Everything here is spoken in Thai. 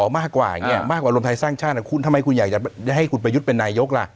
มากกว่าลมไทยสร้างชาตินะคุณทำไมคุณอยากจะให้คุณประยุทธเป็นนายยกล่ะ